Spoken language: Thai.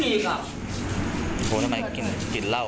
ทำอะไรเขาบอกดีนั้นไม่มีครับโหทำไมกินกินเหล้า